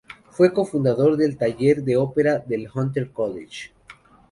Fue co-fundador del Taller de Ópera del Hunter College.